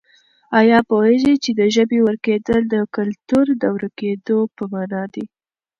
آیا پوهېږې چې د ژبې ورکېدل د کلتور د ورکېدو په مانا دي؟